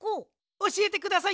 おしえてください